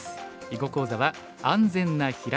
囲碁講座は「安全なヒラキ」。